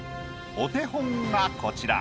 お手本がこちら。